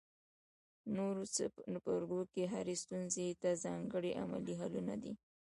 نورو څپرکو کې هرې ستونزې ته ځانګړي عملي حلونه دي.